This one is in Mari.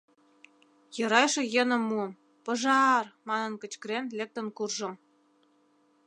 Йӧра эше йӧным муым, пожа-ар манын кычкырен лектын куржым.